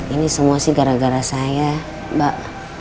ini semua sih gara gara saya mbak